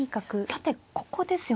さてここですよね。